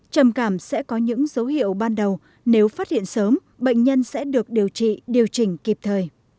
trầm cảm sẽ có những dấu hiệu ban đầu nếu phát hiện sớm bệnh nhân sẽ được điều trị điều chỉnh kịp thời